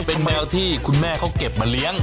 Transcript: เป็นแมวที่คุณแม่เขาเก็บมาเลี้ยง